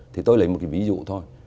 thì tôi lấy một ví dụ thôi